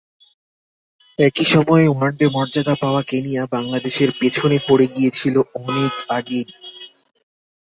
একই সময়ে ওয়ানডে মর্যাদা পাওয়া কেনিয়া বাংলাদেশের পেছনে পড়ে গিয়েছিল অনেক আগেই।